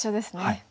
はい。